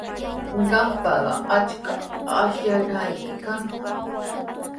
Qampaqa achka ashkallayki kan.